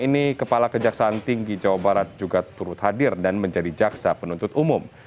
ini kepala kejaksaan tinggi jawa barat juga turut hadir dan menjadi jaksa penuntut umum